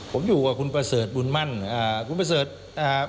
ผมอยู่กับคุณประเสริฐบุญมั่นอ่าคุณประเสริฐอ่า